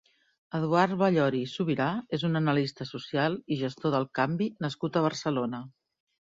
Eduard Vallory i Subirà és un analista social i gestor del canvi nascut a Barcelona.